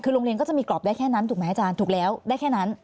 คือโรงเรียนก็จะมีกรอบได้แค่นั้นถูกไหมอาจารย์ถูกแล้วได้แค่นั้น